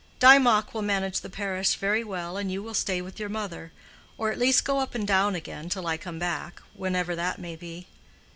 Dymock will manage the parish very well, and you will stay with your mother, or, at least, go up and down again, till I come back, whenever that may be."